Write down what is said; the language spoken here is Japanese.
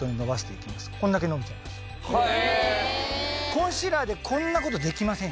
コンシーラーでこんな事できません。